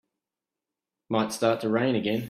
Might start to rain again.